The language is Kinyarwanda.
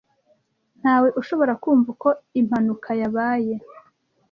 Ntawe ushobora kumva uko impanuka yabaye.